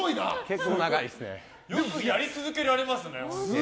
よくやり続けられますね。